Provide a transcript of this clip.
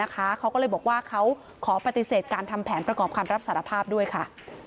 เขาก็เลยบอกว่าเขาขอปฏิเสธการทำแผนประกอบคำรับสารภาพด้วยค่ะ